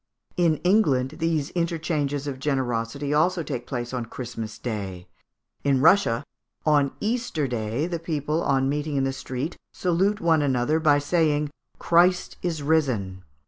In England these interchanges of generosity also take place on Christmas Day. In Russia, on Easter Day, the people, on meeting in the street, salute one another by saying "Christ is risen."